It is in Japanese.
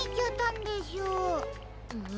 ん。